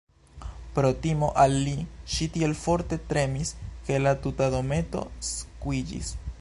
Pro timo al li, ŝi tiel forte tremis ke la tuta dometo skuiĝis.